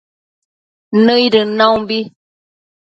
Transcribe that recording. nëidën naumbi